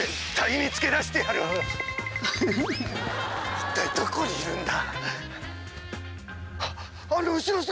一体どこにいるんだ。